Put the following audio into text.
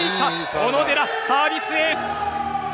小野寺、サービスエース！